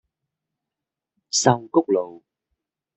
壽菊路